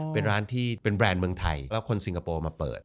เป็นร้านที่เป็นแบรนด์เมืองไทยแล้วคนสิงคโปร์มาเปิด